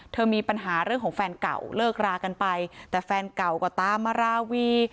มีปัญหาเรื่องของแฟนเก่าเลิกรากันไปแต่แฟนเก่าก็ตามมาราวี